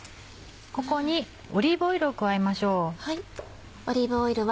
ここにオリーブオイルを加えましょう。